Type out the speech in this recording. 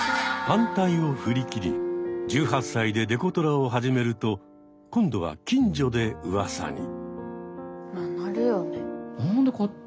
反対を振り切り１８歳でデコトラを始めると今度は近所でうわさに。